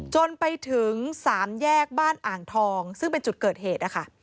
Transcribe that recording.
จนไปถึงสามแยกบ้านอ่างทองซึ่งเป็นจุดเกิดเหตุนะคะ